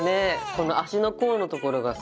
この足の甲のところがさ